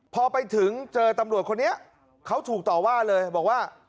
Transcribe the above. พอไปถึงเจอตำรวจคนนี้เขาถูกต่อว่าเลยบอกว่า